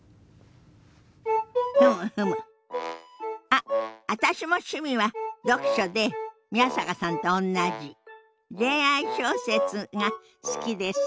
あっ私も趣味は読書で宮坂さんとおんなじ恋愛小説が好きです。